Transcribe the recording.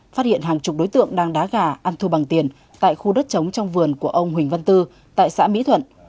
phát hiện hàng chục đối tượng đang đá gà ăn thua bằng tiền tại khu đất chống trong vườn của ông huỳnh văn tư tại xã mỹ thuận